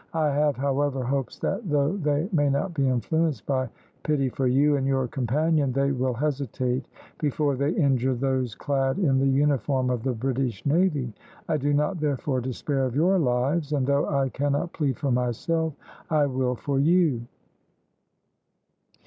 "I have, however, hopes that though they may not be influenced by pity for you and your companion, they will hesitate before they injure those clad in the uniform of the British navy. I do not, therefore, despair of your lives; and though I cannot plead for myself I will for you."